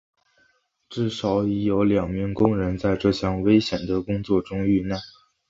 至少已有两名工人在这项危险的工作中遇难。